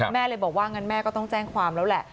แม่เลยบอกว่างั้นแม่ก็ต้องแจ้งความแล้วแหละ